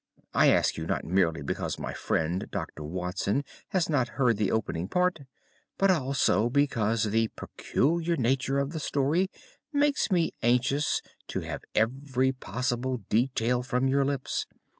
I ask you not merely because my friend Dr. Watson has not heard the opening part but also because the peculiar nature of the story makes me anxious to have every possible detail from your lips.